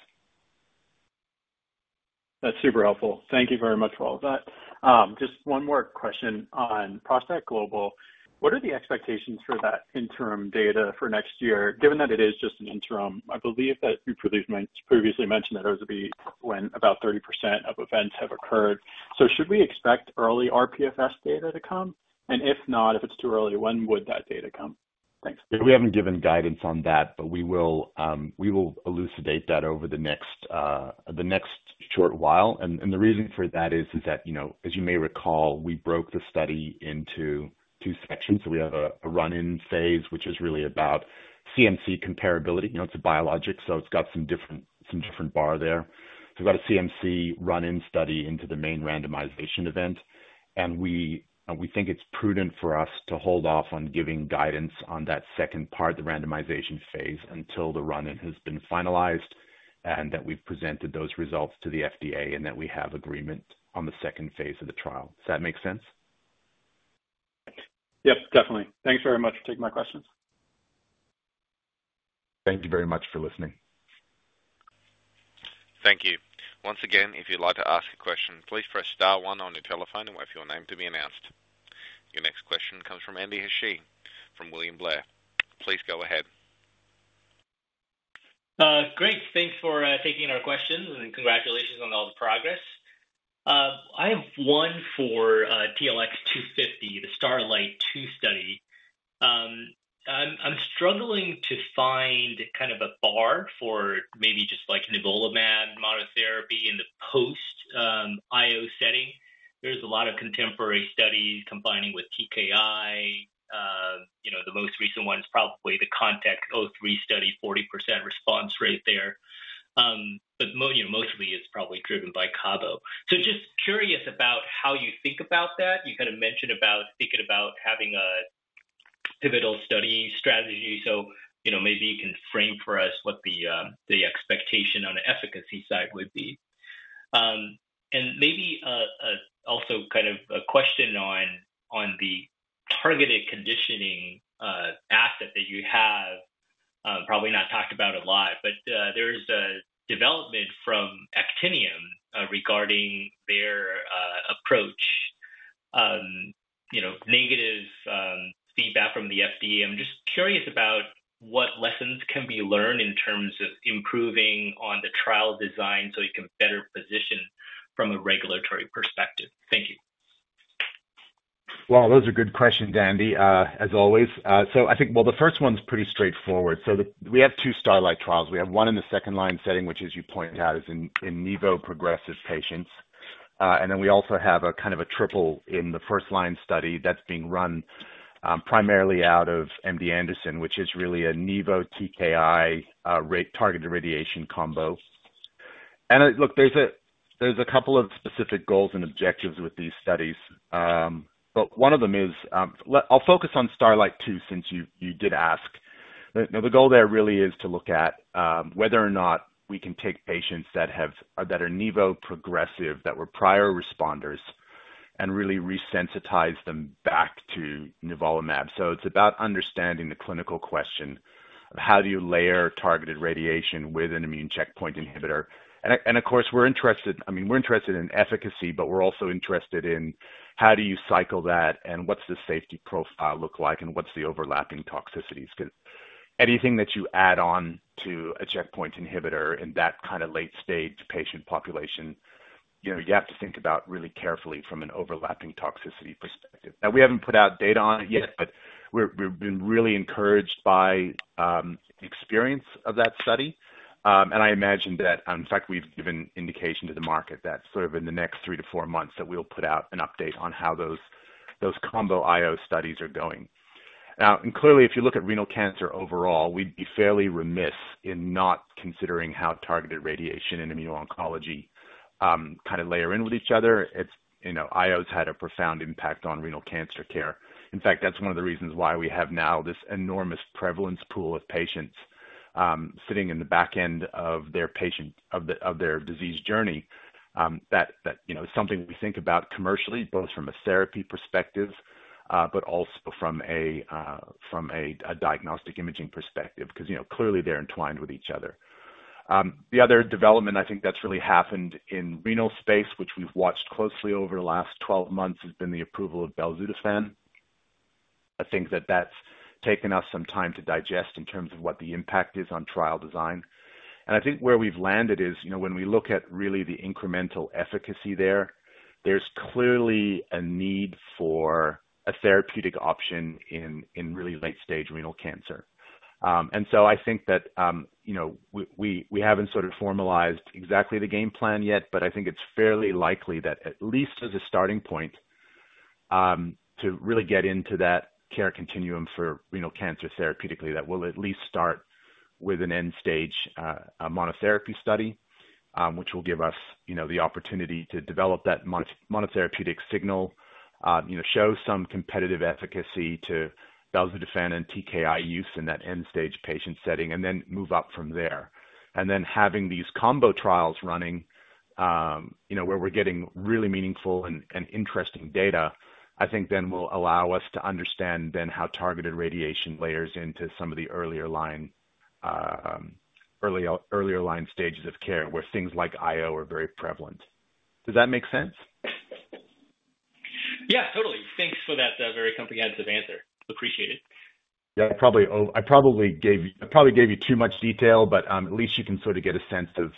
That's super helpful. Thank you very much for all of that. Just one more question on Prostact global. What are the expectations for that interim data for next year, given that it is just an interim? I believe that you previously mentioned that it would be when about 30% of events have occurred. So should we expect early RPFS data to come? And if not, if it's too early, when would that data come? Thanks. We haven't given guidance on that, but we will, we will elucidate that over the next, the next short while. And the reason for that is that, you know, as you may recall, we broke the study into two sections. So we have a run-in phase, which is really about CMC comparability. You know, it's a biologic, so it's got some different bar there. So we've got a CMC run-in study into the main randomization event, and we think it's prudent for us to hold off on giving guidance on that second part, the randomization phase, until the run-in has been finalized and that we've presented those results to the FDA, and that we have agreement on the second phase of the trial. Does that make sense? Yep, definitely. Thanks very much for taking my questions. Thank you very much for listening. Thank you. Once again, if you'd like to ask a question, please press star one on your telephone and wait for your name to be announced. Your next question comes from Andy Hsieh, from William Blair. Please go ahead. Great, thanks for taking our questions, and congratulations on all the progress. I have one for TLX250, the STARLIGHT-2 study. I'm struggling to find kind of a bar for maybe just like nivolumab monotherapy in the post IO setting. There's a lot of contemporary studies combining with TKI. You know, the most recent one is probably the CONTACT-03 study, 40% response rate there. But you know, mostly it's probably driven by Cabo. So just curious about how you think about that. You kind of mentioned about thinking about having a pivotal studying strategy so, you know, maybe you can frame for us what the expectation on the efficacy side would be. Maybe also kind of a question on the targeted conditioning asset that you have, probably not talked about a lot, but there's a development from Actinium regarding their approach. You know, negative feedback from the FDA. I'm just curious about what lessons can be learned in terms of improving on the trial design, so you can better position from a regulatory perspective. Thank you. Those are good questions, Andy, as always. I think the first one's pretty straightforward. We have two Starlight trials. We have one in the second line setting, which, as you pointed out, is in nivo progressive patients. We also have a kind of a triple in the first line study that's being run primarily out of MD Anderson, which is really a nivo TKI targeted radiation combo. Look, there's a couple of specific goals and objectives with these studies. One of them is, I'll focus on Starlight two, since you did ask. The goal there really is to look at whether or not we can take patients that are nivo progressive, that were prior responders and really resensitize them back to Nivolumab. So it's about understanding the clinical question of how do you layer targeted radiation with an immune checkpoint inhibitor? And, of course, we're interested, I mean, we're interested in efficacy, but we're also interested in how do you cycle that, and what's the safety profile look like, and what's the overlapping toxicities? Because anything that you add on to a checkpoint inhibitor in that kind of late stage patient population, you know, you have to think about really carefully from an overlapping toxicity perspective. Now, we haven't put out data on it yet, but we've been really encouraged by the experience of that study. And I imagine that, in fact, we've given indication to the market that sort of in the next three to four months, that we'll put out an update on how those combo IO studies are going. Now, and clearly, if you look at renal cancer overall, we'd be fairly remiss in not considering how targeted radiation and immuno-oncology kind of layer in with each other. It's, you know, IO's had a profound impact on renal cancer care. In fact, that's one of the reasons why we have now this enormous prevalence pool of patients sitting in the back end of their disease journey that you know something we think about commercially, both from a therapy perspective but also from a diagnostic imaging perspective, because, you know, clearly they're entwined with each other. The other development I think that's really happened in renal space, which we've watched closely over the last twelve months, has been the approval of Belzutifan. I think that that's taken us some time to digest in terms of what the impact is on trial design. And I think where we've landed is, you know, when we look at really the incremental efficacy there, there's clearly a need for a therapeutic option in really late stage renal cancer. And so I think that, you know, we haven't sort of formalized exactly the game plan yet, but I think it's fairly likely that at least as a starting point, to really get into that care continuum for renal cancer therapeutically, that we'll at least start with an end stage monotherapy study, which will give us, you know, the opportunity to develop that monotherapeutic signal. You know, show some competitive efficacy to Belzutifan and TKI use in that end stage patient setting, and then move up from there. Then having these combo trials running, you know, where we're getting really meaningful and interesting data, I think then will allow us to understand then how targeted radiation layers into some of the earlier line, early, earlier line stages of care, where things like IO are very prevalent. Does that make sense? Yeah, totally. Thanks for that, very comprehensive answer. Appreciate it. Yeah, I probably gave you too much detail, but at least you can sort of get a sense of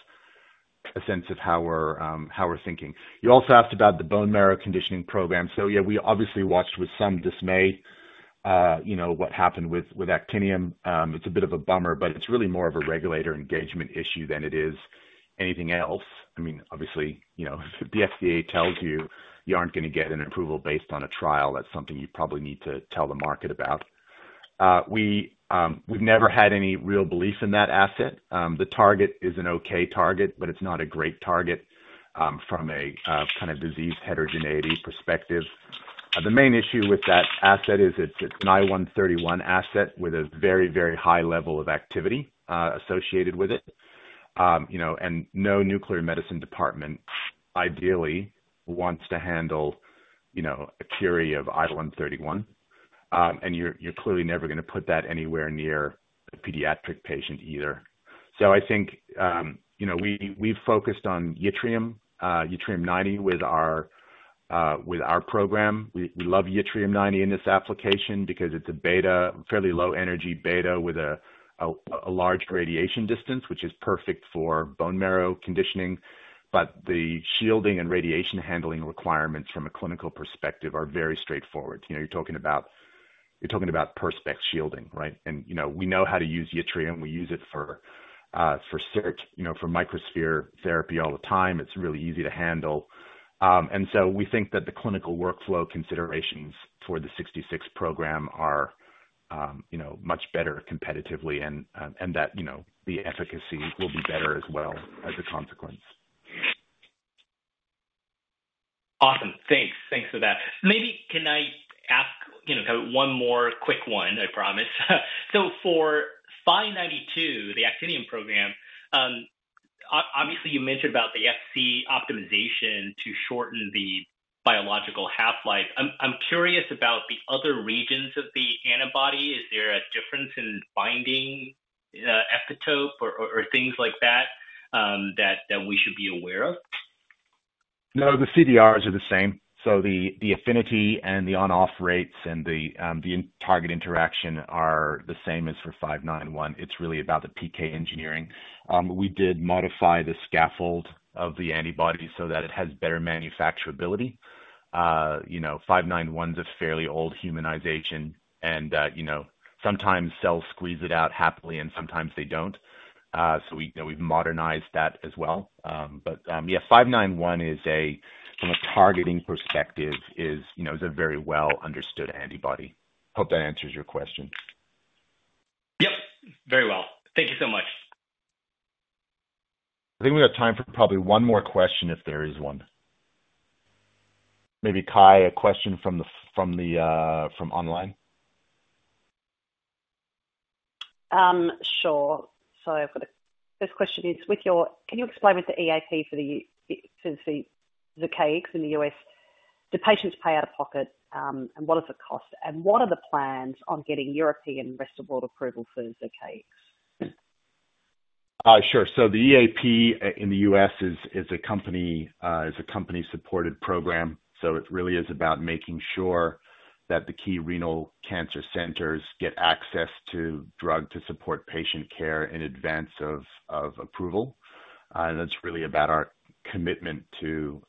how we're thinking. You also asked about the bone marrow conditioning program. So yeah, we obviously watched with some dismay, you know, what happened with Actinium. It's a bit of a bummer, but it's really more of a regulator engagement issue than it is anything else. I mean, obviously, you know, if the FDA tells you, you aren't going to get an approval based on a trial, that's something you probably need to tell the market about. We've never had any real belief in that asset. The target is an okay target, but it's not a great target from a kind of disease heterogeneity perspective. The main issue with that asset is it's an Iodine-131 asset with a very, very high level of activity associated with it. You know, and no nuclear medicine department ideally wants to handle, you know, a curie of Iodine-131. And you're clearly never gonna put that anywhere near a pediatric patient either. So I think, you know, we've focused on yttrium, Yttrium-90, with our program. We love Yttrium-90 in this application because it's a beta, fairly low energy beta with a large radiation distance, which is perfect for bone marrow conditioning. But the shielding and radiation handling requirements from a clinical perspective are very straightforward. You know, you're talking about Perspex shielding, right? And, you know, we know how to use yttrium. We use it for search, you know, for microsphere therapy all the time. It's really easy to handle, and so we think that the clinical workflow considerations for the sixty-four program are, you know, much better competitively and that, you know, the efficacy will be better as well, as a consequence. Awesome. Thanks. Thanks for that. Maybe can I ask, you know, one more quick one, I promise? So for five ninety-two, the Actinium program, obviously, you mentioned about the FC optimization to shorten the biological half-life. I'm curious about the other regions of the antibody. Is there a difference in binding epitope or things like that that we should be aware of? No, the CDRs are the same. So the affinity and the on/off rates and the target interaction are the same as for five nine one. It's really about the PK engineering. We did modify the scaffold of the antibody so that it has better manufacturability. You know, five nine one's a fairly old humanization and, you know, sometimes cells squeeze it out happily and sometimes they don't. So we've modernized that as well. Yeah, five nine one is, from a targeting perspective, you know, a very well-understood antibody. Hope that answers your question. Yep, very well. Thank you so much. I think we have time for probably one more question, if there is one. Maybe Kyan, a question from the online?... Sure. So I've got a first question is, with your can you explain what the EAP for the Zircaix in the U.S., do patients pay out of pocket, and what is the cost? And what are the plans on getting European and rest of world approval for Zircaix? Sure. So the EAP in the US is a company-supported program, so it really is about making sure that the key renal cancer centers get access to drug to support patient care in advance of approval. That's really about our commitment to,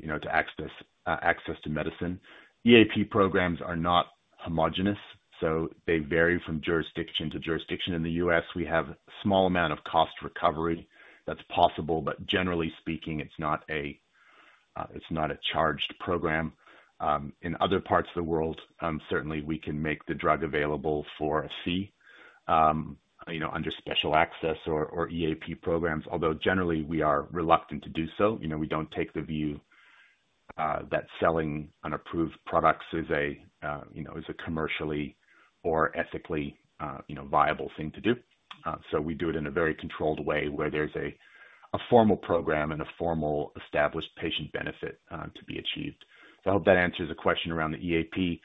you know, to access to medicine. EAP programs are not homogeneous, so they vary from jurisdiction to jurisdiction. In the US, we have a small amount of cost recovery that's possible, but generally speaking, it's not a charged program. In other parts of the world, certainly we can make the drug available for a fee, you know, under special access or EAP programs, although generally we are reluctant to do so. You know, we don't take the view that selling unapproved products is a you know, is a commercially or ethically you know, viable thing to do. So we do it in a very controlled way, where there's a formal program and a formal established patient benefit to be achieved. So I hope that answers the question around the EAP.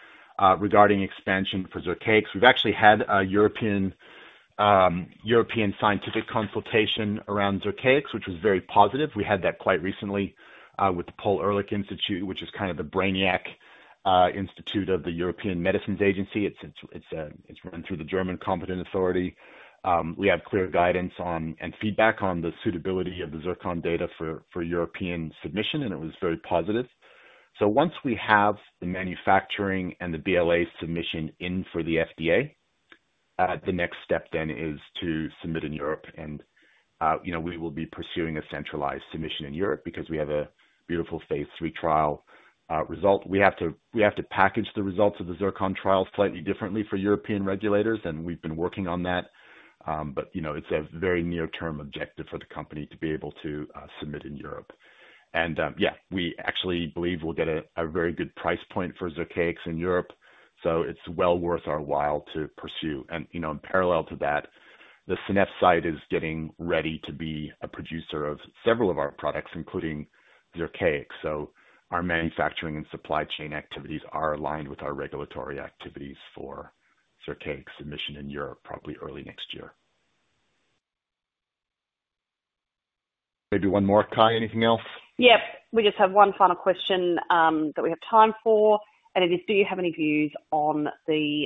Regarding expansion for Zircaix, we've actually had a European scientific consultation around Zircaix, which was very positive. We had that quite recently with the Paul-Ehrlich Institute, which is kind of the brainiac institute of the European Medicines Agency. It's run through the German competent authority. We have clear guidance on and feedback on the suitability of the Zircaix data for European submission, and it was very positive. Once we have the manufacturing and the BLA submission in for the FDA, the next step then is to submit in Europe. And, you know, we will be pursuing a centralized submission in Europe because we have a beautiful phase three trial result. We have to package the results of the Zircaix trial slightly differently for European regulators, and we've been working on that. But, you know, it's a very near-term objective for the company to be able to submit in Europe. And, yeah, we actually believe we'll get a very good price point for Zircaix in Europe, so it's well worth our while to pursue. And, you know, in parallel to that, the Seneffe site is getting ready to be a producer of several of our products, including Zircaix. So our manufacturing and supply chain activities are aligned with our regulatory activities for Zircaix submission in Europe, probably early next year. Maybe one more. Kyan, anything else? Yep. We just have one final question that we have time for, and it is: Do you have any views on the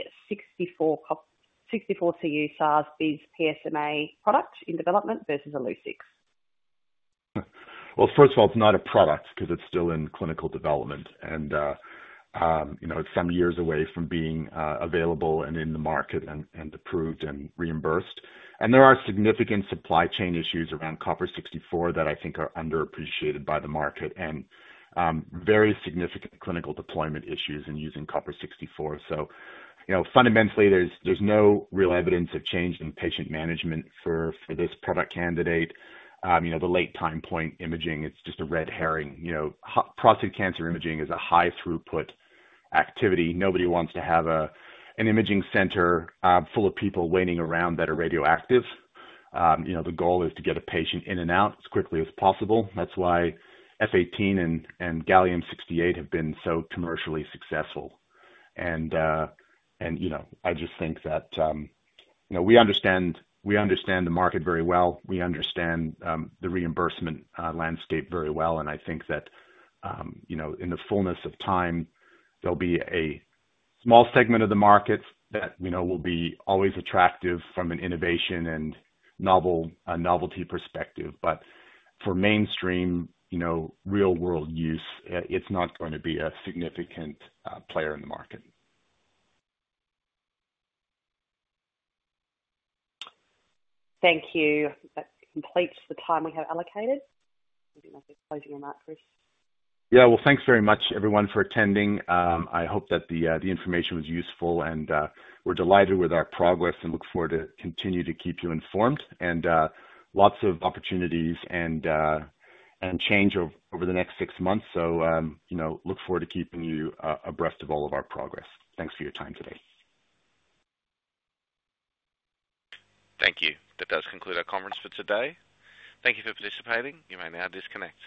64Cu-SAR-bisPSMA product in development versus Illuccix? First of all, it's not a product because it's still in clinical development and, you know, it's some years away from being available and in the market and approved and reimbursed. And there are significant supply chain issues around copper-64 that I think are underappreciated by the market and very significant clinical deployment issues in using copper-64. So, you know, fundamentally, there's no real evidence of change in patient management for this product candidate. You know, the late time point imaging, it's just a red herring. You know, prostate cancer imaging is a high throughput activity. Nobody wants to have an imaging center full of people waiting around that are radioactive. You know, the goal is to get a patient in and out as quickly as possible. That's why F-18 and Gallium-68 have been so commercially successful. And you know, I just think that you know, we understand the market very well. We understand the reimbursement landscape very well, and I think that you know, in the fullness of time, there'll be a small segment of the market that you know, will be always attractive from an innovation and novelty perspective. But for mainstream you know, real-world use, it's not going to be a significant player in the market. Thank you. That completes the time we have allocated. Maybe you might get closing remarks, Chris. Yeah. Well, thanks very much, everyone, for attending. I hope that the information was useful, and we're delighted with our progress and look forward to continue to keep you informed, and lots of opportunities and change over the next six months, so you know, look forward to keeping you abreast of all of our progress. Thanks for your time today. Thank you. That does conclude our conference for today. Thank you for participating. You may now disconnect.